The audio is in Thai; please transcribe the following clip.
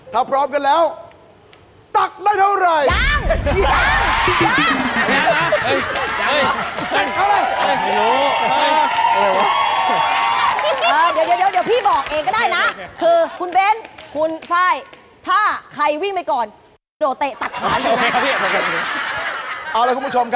ถ้าพร้อมกันแล้วตักได้เท่าไหร่